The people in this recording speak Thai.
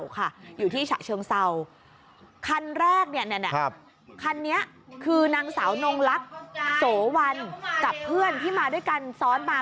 คันแรกนี่คันนี้คือนางสาวนงรักโสวรรณกับเพื่อนที่มาด้วยกันซ้อนมา